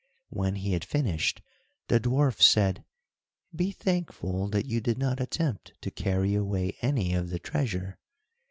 When he had finished the dwarf said: "Be thankful that you did not attempt to carry away any of the treasure."